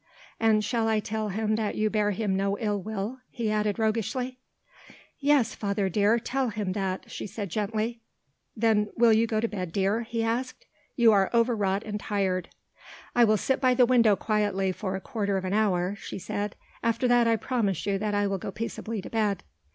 And ... shall I tell him that you bear him no ill will?" he added roguishly. "Yes, father dear, tell him that," she said gently. "Then will you go to bed, dear?" he asked, "you are overwrought and tired." "I will sit by the window quietly for a quarter of an hour," she said, "after that I promise you that I will go peaceably to bed."